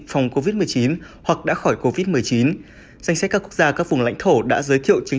phòng covid một mươi chín hoặc đã khỏi covid một mươi chín danh sách các quốc gia các vùng lãnh thổ đã giới thiệu chính